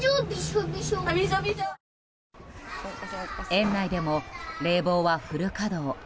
園内でも冷房はフル稼働。